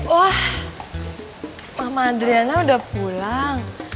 wah mama adriana udah pulang